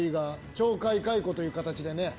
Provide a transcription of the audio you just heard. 懲戒解雇という形でね。